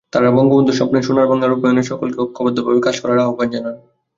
তাঁরা বঙ্গবন্ধুর স্বপ্নের সোনার বাংলা রূপায়ণে সকলকে ঐক্যবদ্ধভাবে কাজ করার আহ্বান জানান।